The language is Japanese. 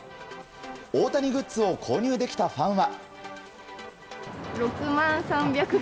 大谷グッズを購入できたファンは。